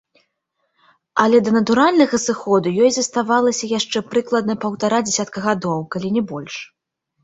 Але да натуральнага сыходу ёй заставалася яшчэ прыкладна паўтара дзясятка гадоў, калі не больш.